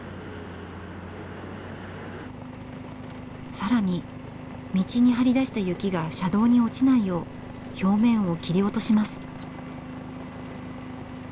更に道に張り出した雪が車道に落ちないよう表面を切り落とします。